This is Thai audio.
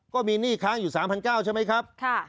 ก็มีหนี้ค้างอยู่๓๙๐๐ใช่ไหมครับ